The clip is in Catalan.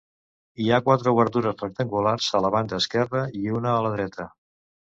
Hi ha quatre obertures rectangulars a la banda esquerra i una a la dreta.